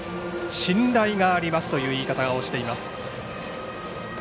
信頼がありますという言い方をしています。